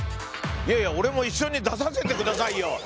いやいや俺も一緒に出させてくださいよ。